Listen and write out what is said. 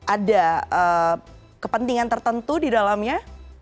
ada kepentingan tertentu di dalamnya